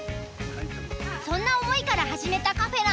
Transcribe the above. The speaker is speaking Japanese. そんな思いから始めたカフェなんだって。